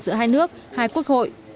giữa hai nước hai quốc hội